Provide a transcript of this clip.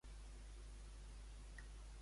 Els republicans perderen el conflicte?